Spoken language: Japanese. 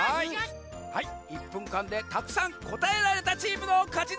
はい１ぷんかんでたくさんこたえられたチームのかちざんす！